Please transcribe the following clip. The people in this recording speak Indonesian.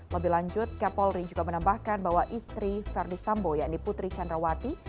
lebih lanjut kepolri juga menambahkan bahwa istri verdi sambo yang diputri candrawati